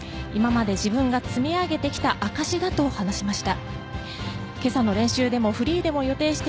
今まで自分が積み上げてきた証しだと話しました。